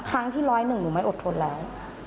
ครั้งที่ร้อยหนึ่งหนูไม่อดทนแล้ว